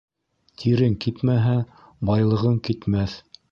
Тирең кипмәһә, байлығың китмәҫ.